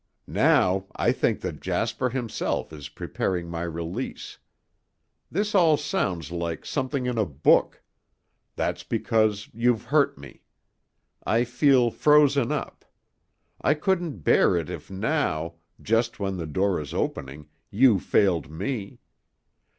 Now, I think that Jasper, himself, is preparing my release. This all sounds like something in a book. That's because you've hurt me. I feel frozen up. I couldn't bear it if now, just when the door is opening, you failed me.